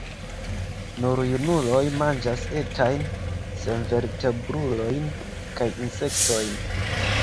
Nur junuloj manĝas etajn senvertebrulojn kaj insektojn.